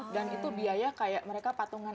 dan itu biaya kayak mereka patungan